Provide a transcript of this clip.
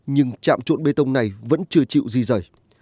nhưng chạm trộn bê tông này vẫn chưa chịu gì rời